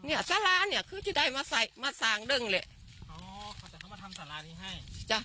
จ๊ะเนี้ยสาราเนี้ยคือจะได้มาใส่มาสร้างดึงเลยอ๋อเขาจะเข้ามาทำสารานี้ให้